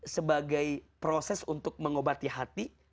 sebagai proses untuk mengobati hati